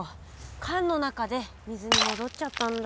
缶の中で水に戻っちゃったんだ。